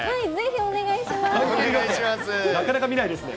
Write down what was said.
お願いします。